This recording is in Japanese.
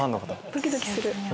ドキドキする。